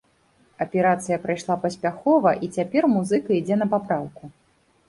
Аперацыя прайшла паспяхова і цяпер музыка ідзе на папраўку.